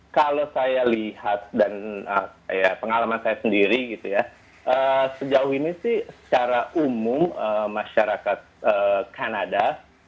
kalau saya lihat dan pengalaman saya sendiri gitu ya sejauh ini sih secara umum masyarakat kanada